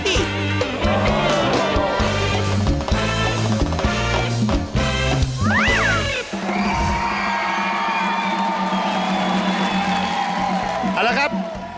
เอาละครับ